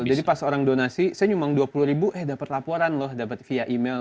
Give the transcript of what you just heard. pas orang donasi saya nyumbang dua puluh ribu eh dapat laporan loh dapat via email